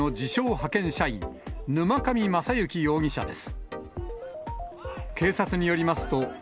派遣社員、沼上将之容疑者です。